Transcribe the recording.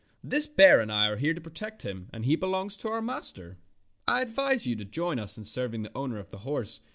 "This bear and I are here to protect him, and he belongs to our master. I advise you to join us in serving the owner of the horse.